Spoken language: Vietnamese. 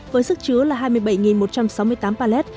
với sức chứa là hai mươi bảy một trăm sáu mươi tám pallet